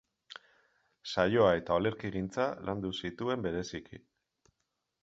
Saioa eta olerkigintza landu zituen bereziki.